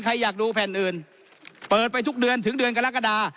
ใครอยากดูแผ่นอื่นเปิดไปทุกเดือนถึงเดือนกรกฎา